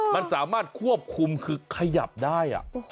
มันสามารถควบคุมคือขยับได้